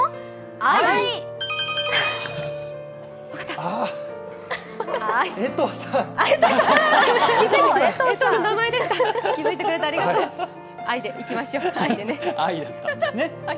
愛でいきましょう、愛でね。